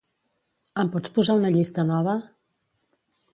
Em pots posar una llista nova?